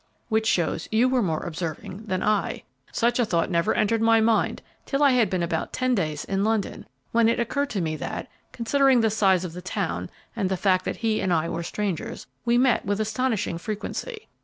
"Which shows you were more observing than I. Such a thought never entered my mind till I had been about ten days in London, when it occurred to me that, considering the size of the town and the fact that he and I were strangers, we met with astonishing frequency.